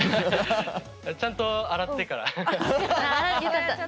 ちゃんと洗ってから。